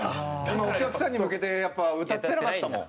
今お客さんに向けてやっぱ歌ってなかったもん。